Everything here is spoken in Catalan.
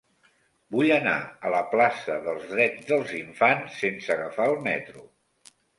Vull anar a la plaça dels Drets dels Infants sense agafar el metro.